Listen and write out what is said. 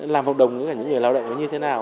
làm hợp đồng với cả những người lao động như thế nào